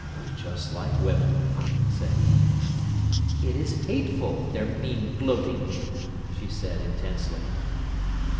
"Just like women," said he. "It is hateful, their mean gloating," she said intensely.